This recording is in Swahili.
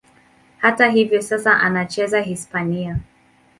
Hata hivyo, sasa anacheza Hispania.